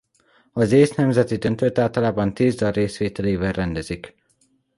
Az észt nemzeti döntőt általában tíz dal részvételével rendezik.